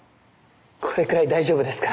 これくらい大丈夫ですから。